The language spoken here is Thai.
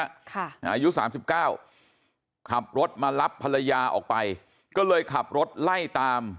อายุสามสิบเก้าขับรถมารับภรรยาออกไปก็เลยขับรถไล่ตาม